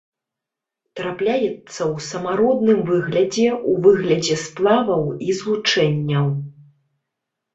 Трапляецца ў самародным выглядзе, у выглядзе сплаваў і злучэнняў.